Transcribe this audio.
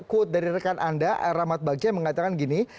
quote dari rekan anda rahmat bagja yang mengatakan gini